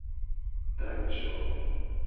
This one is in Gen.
Do ajo.